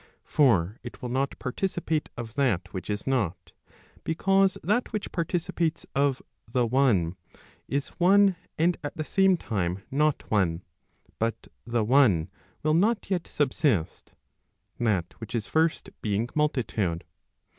303 For it will not participate of that which is not; because that which parti* cipates of the one, is one and at the same time not one; but the one will not yet subsist, that which is first being multitude.